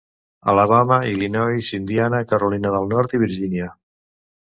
Alabama, Illinois, Indiana, Carolina del Nord i Virgínia.